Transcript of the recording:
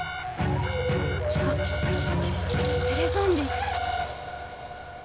あテレゾンビ！